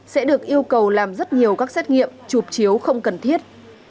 sẽ được yêu cầu làm rất nhiều các xét nghiệm chụp chiếu không cần thiết